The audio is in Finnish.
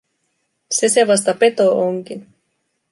Se se vasta peto onkin.